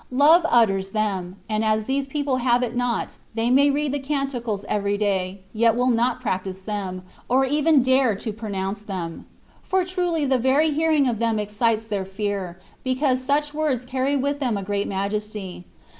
^^ Love utters them; and as these people have it not, they may read the " Canticles '' every day, yet will not practise them, or even dare to pronounce them ; for truly the very hearing of them excites their fear, because such words carry with them a great majesty.